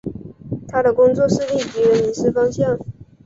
他的工作是令敌人迷失方向。